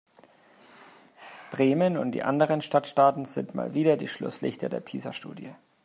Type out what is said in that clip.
Bremen und die anderen Stadtstaaten sind mal wieder die Schlusslichter der PISA-Studie.